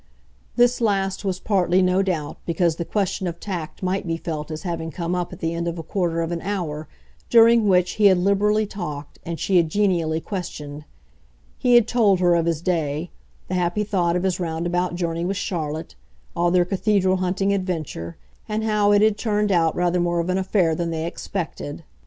This last was partly, no doubt, because the question of tact might be felt as having come up at the end of a quarter of an hour during which he had liberally talked and she had genially questioned. He had told her of his day, the happy thought of his roundabout journey with Charlotte, all their cathedral hunting adventure, and how it had turned out rather more of an affair than they expected.